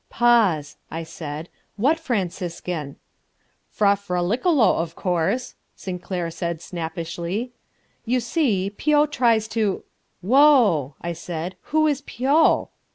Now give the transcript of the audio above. "Pause," I said, "what Franciscan?" "Fra Fraliccolo, of course," Sinclair said snappishly. "You see, Pio tries to...." "Whoa!" I said, "who is Pio?"